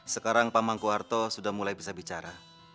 sekarang kang mas mangguwarto sudah mulai bisa bicara